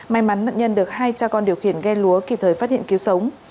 may mắn nạn nhân được hai cha con điều khiển ghe lúa kịp thời phát hiện cứu sống